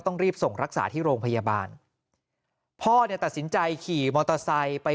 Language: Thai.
ต้องรีบส่งรักษาที่โรงพยาบาลพ่อเนี่ยตัดสินใจขี่มอเตอร์ไซค์ไป